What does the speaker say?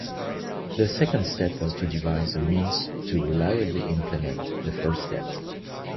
The second step was to devise a means to reliably implement the first step.